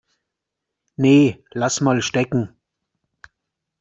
Nee, lass mal stecken.